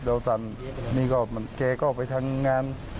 เดี๋ยวตอนนี้เกรก็ออกไปทางงาน